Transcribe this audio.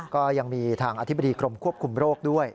ก็ยังมีทางอธิบดีกรมควบคุมโรคด้วย